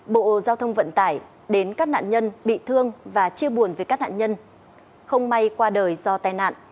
bộ giao thông vận tải đến các nạn nhân bị thương và chia buồn với các nạn nhân không may qua đời do tai nạn